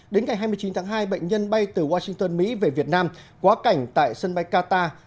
đến ngày hai mươi chín tháng hai bệnh nhân bay từ washington mỹ về việt nam quá cảnh tại sân bay qatar